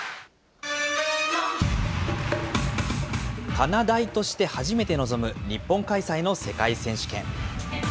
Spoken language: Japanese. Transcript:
かなだいとして初めて臨む日本開催の世界選手権。